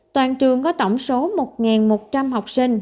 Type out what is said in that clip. toàn trường có tổng số một một trăm linh học sinh